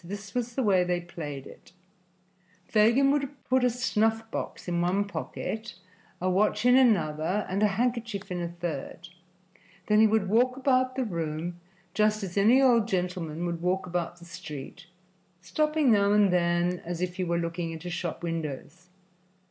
This was the way they played it: Fagin would put a snuff box in one pocket, a watch in another and a handkerchief in a third; then he would walk about the room just as any old gentleman would walk about the street, stopping now and then, as if he were looking into shop windows.